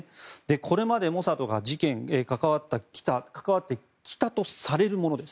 これまでモサドが事件関わってきたとされるものです。